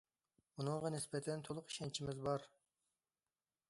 بۇنىڭغا نىسبەتەن تولۇق ئىشەنچىمىز بار.